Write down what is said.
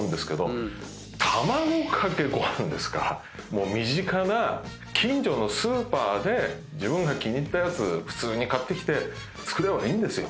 もう身近な近所のスーパーで自分が気に入ったやつ普通に買ってきて作ればいいんですよ。